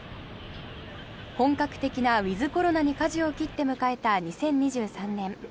本格的なウィズコロナにかじを切って迎えた２０２３年。